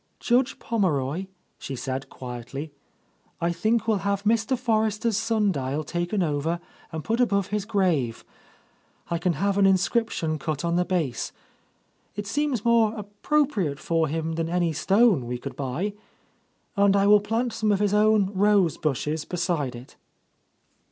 "Judge Pommeroy," she said quietly, "I think I will have Mr. Forrester's sun dial taken over and —14^ . A Lost Lady put above his grave, I can have an inscription cut on the base. It seems more appropriate for him than any stone we could buy. And I will plant some of his own rose bushes beside it."